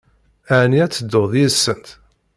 Ɛni ad tedduḍ yid-sent?